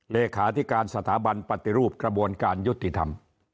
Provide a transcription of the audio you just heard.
เลขาธิการสถาบันปฏิรูปกระบวนการยุติธรรม